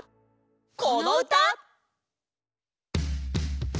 このうた！